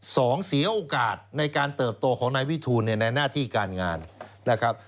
เสียโอกาสในการเติบโตของนายวิทูลในหน้าที่การงานนะครับ